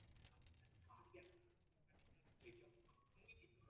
Kwani vita kati ya mandugu.